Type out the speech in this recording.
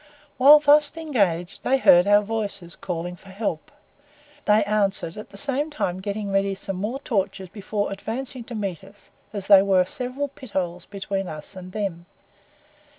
Whilst thus engaged they heard our voices calling for help. They answered, at the same time getting ready some more torches before, advancing to meet us, as there were several pit holes between us and them.